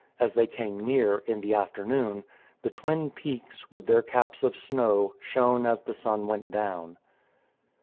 As they came near, in the afternoon, the twin peaks, with their caps of snow, shone as the sun went down.